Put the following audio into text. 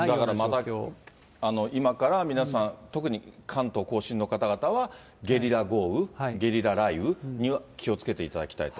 だから今から、皆さん、特に関東甲信の方々は、ゲリラ豪雨、ゲリラ雷雨には気をつけていただきたいと。